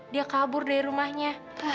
dia kabur dari rumahnya